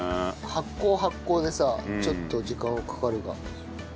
発酵発酵でさちょっと時間はかかるが。